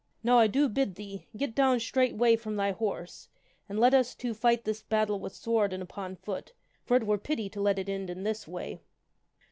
Now I do bid thee get down straightway from thy horse, and let us two fight this battle with sword and upon foot, for it were pity to let it end in this way."